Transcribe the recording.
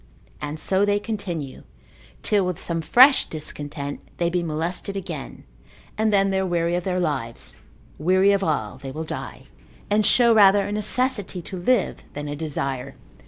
And so they continue, till with some fresh discontent they be molested again, and then they are weary of their lives, weary of all, they will die, and show rather a necessity to live, than a desire.